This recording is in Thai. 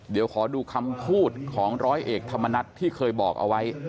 เดี๋ยวขอดูคำพูดของร้อยเอกธรรมนัฐที่เคยบอกเอาไว้